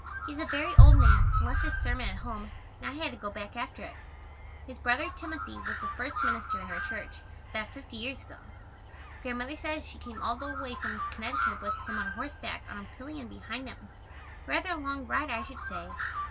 He is a very old man and left his sermon at home and I had to go back after it. His brother, Timothy, was the first minister in our church, about fifty years ago. Grandmother says she came all the way from Connecticut with him on horseback on a pillion behind him. Rather a long ride, I should say.